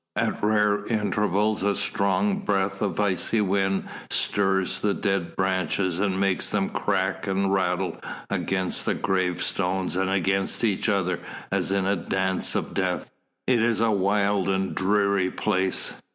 At rare intervals a strong breath of icy wind stirs the dead branches and makes them crack and rattle against the gravestones and against each other as in a dance of death. It is a wild and dreary place.